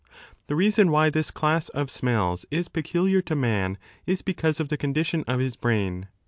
The reason why this class of smells is peculiar to man is because of the condition of his brain.